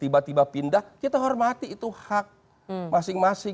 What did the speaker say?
tiba tiba pindah kita hormati itu hak masing masing